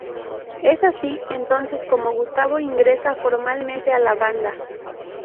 Es así entonces como Gustavo ingresa formalmente a la banda.